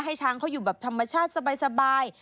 ให้ช้างเขาอยู่แบบธรรมชาติสบาย